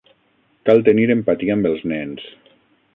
Cal tenir empatia amb els nens.